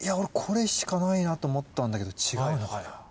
これしかないなと思ったんだけど違うのかな。